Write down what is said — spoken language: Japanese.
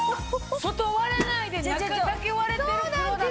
外割れないで中だけ割れてる！